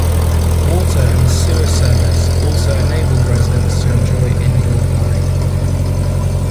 Water and sewer service also enabled residents to enjoy indoor plumbing.